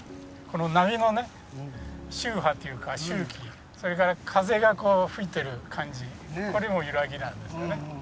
この波のね周波というか周期それから風がこう吹いている感じこれも揺らぎなんですよね。